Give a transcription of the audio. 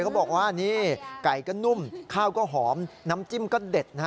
เขาบอกว่านี่ไก่ก็นุ่มข้าวก็หอมน้ำจิ้มก็เด็ดนะฮะ